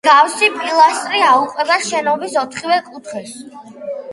მსგავსი პილასტრი აუყვება შენობის ოთხივე კუთხეს.